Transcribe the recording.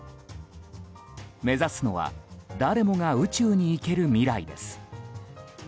目指すのは誰もが宇宙に行ける未来です。